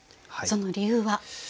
その理由は？